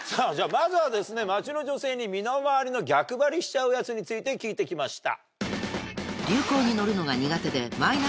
まずはですね街の女性に身の回りの逆張りしちゃうヤツについて聞いてきました。